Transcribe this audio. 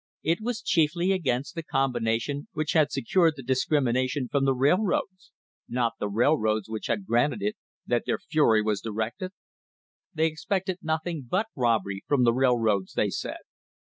THE OIL WAR OF 1872 was chiefly against the combination which had secured the discrimination from the railroads — not the railroads which had granted it — that their fury was directed. They expected nothing but robbery from the railroads, they said.